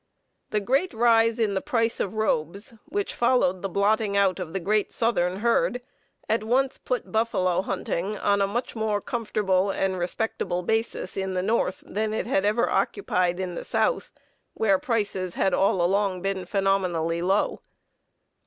The great rise in the price of robes which followed the blotting out of the great southern herd at once put buffalo hunting on a much more comfortable and respectable business basis in the North than it had ever occupied in the South, where prices had all along been phenomenally low.